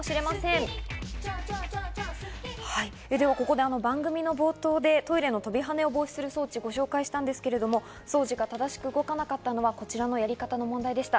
ここで番組の冒頭でトイレの飛び跳ねを防止する装置をご紹介したんですけど、装置が正しく動かなかったのは、こちらのやり方の問題でした。